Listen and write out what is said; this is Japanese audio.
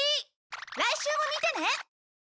来週も見てね！